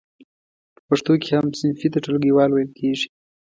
په پښتو کې هم صنفي ته ټولګیوال ویل کیږی.